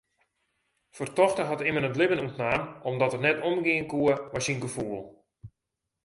Fertochte hat immen it libben ûntnaam omdat er net omgean koe mei syn gefoel.